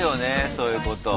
そういうこと。